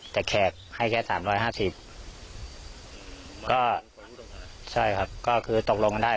แต่แขกให้แค่สามร้อยห้าสิบก็ใช่ครับก็คือตกลงกันได้